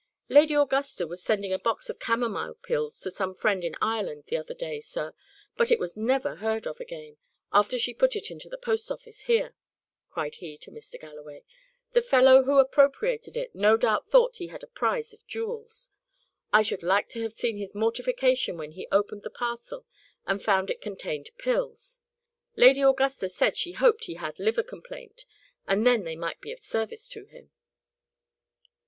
"Lady Augusta was sending a box of camomile pills to some friend in Ireland, the other day, sir, but it was never heard of again, after she put it into the post office, here," cried he to Mr. Galloway. "The fellow who appropriated it no doubt thought he had a prize of jewels. I should like to have seen his mortification when he opened the parcel and found it contained pills! Lady Augusta said she hoped he had liver complaint, and then they might be of service to him."